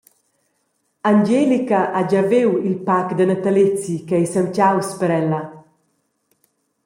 Angelica ha gia viu il pac da natalezi ch’ei semtgaus per ella.